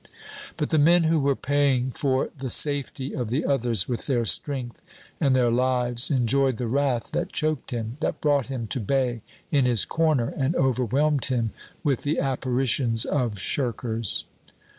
But the men who were paying for the safety of the others with their strength and their lives enjoyed the wrath that choked him, that brought him to bay in his corner, and overwhelmed him with the apparitions of shirkers.